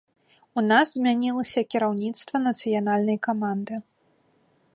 У нас змянілася кіраўніцтва нацыянальнай каманды.